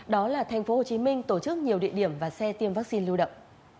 đó là thành phố hồ chí minh tổ chức nhiều địa điểm và xe tiêm vaccine lưu động